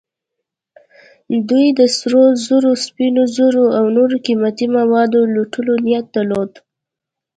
دوی د سرو زرو، سپینو زرو او نورو قیمتي موادو لوټلو نیت درلود.